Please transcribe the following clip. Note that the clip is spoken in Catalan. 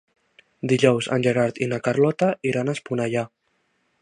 Dijous en Gerard i na Carlota iran a Esponellà.